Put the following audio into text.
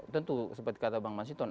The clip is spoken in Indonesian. tentu seperti kata bang masyidon